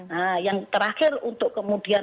nah yang terakhir untuk kemudian